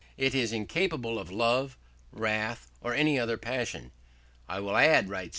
It is incapable of love, wrath, or any other passion. "I will add", writes M.